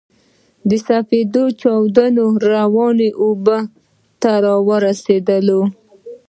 سپېده چاود روانو اوبو ته ورسېدل.